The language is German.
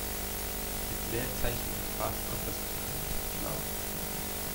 Mit Leerzeichen im Pfad kommt das Programm nicht klar.